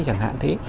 chẳng hạn thế